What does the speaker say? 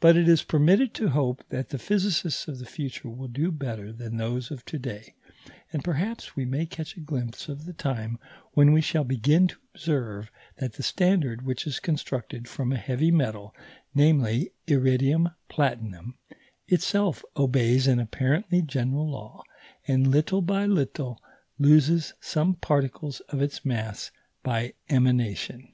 But it is permitted to hope that the physicists of the future will do still better than those of to day; and perhaps we may catch a glimpse of the time when we shall begin to observe that the standard, which is constructed from a heavy metal, namely, iridium platinum, itself obeys an apparently general law, and little by little loses some particles of its mass by emanation.